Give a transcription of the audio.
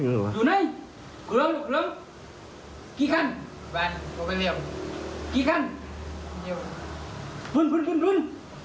เครื่องเหลือพุ่งโว้งโว้งโว้งโว้ง